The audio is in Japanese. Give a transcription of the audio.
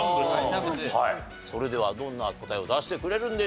それではどんな答えを出してくれるんでしょうか？